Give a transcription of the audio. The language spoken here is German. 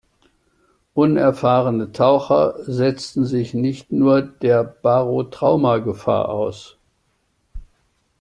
Unerfahrene Taucher setzten sich nicht nur der Barotrauma-Gefahr aus.